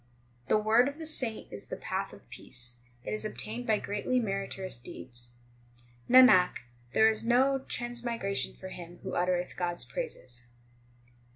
The word of the saint is the path of peace ; it is obtained by greatly meritorious deeds. Nanak, there is no transmigration for him who utter eth God s praises.